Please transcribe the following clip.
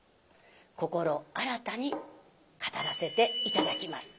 心新たに語らせて頂きます。